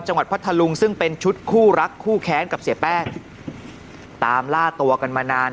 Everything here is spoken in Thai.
พัทธลุงซึ่งเป็นชุดคู่รักคู่แค้นกับเสียแป้งตามล่าตัวกันมานาน